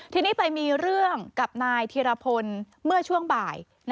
ทีนี้ไปมีเรื่องกับนายธีรพลเมื่อช่วงบ่าย